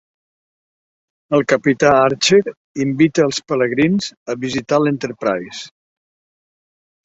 El capità Archer invita els pelegrins a visitar l'Enterprise.